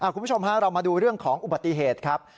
คุณผู้ชมฮะเรามาดูเรื่องของอุบัติเหตุครับ